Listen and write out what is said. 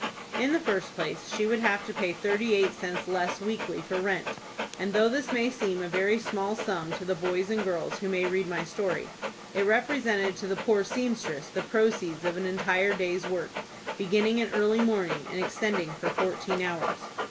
In the first place, she would have to pay thirty eight cents less weekly for rent, and though this may seem a very small sum to the boys and girls who may read my story, it represented to the poor seamstress the proceeds of an entire day's work, beginning at early morning, and extending for fourteen hours.